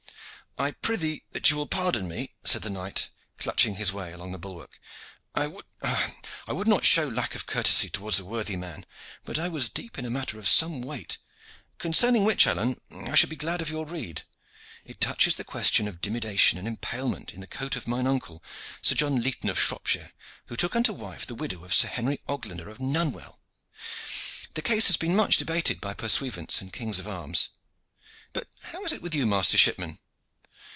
"I prythee that you will pardon me," said the knight, clutching his way along the bulwark. "I would not show lack of courtesy toward a worthy man, but I was deep in a matter of some weight, concerning which, Alleyne, I should be glad of your rede. It touches the question of dimidiation or impalement in the coat of mine uncle, Sir John Leighton of Shropshire, who took unto wife the widow of Sir Henry Oglander of Nunwell. The case has been much debated by pursuivants and kings of arms. But how is it with you, master shipman?"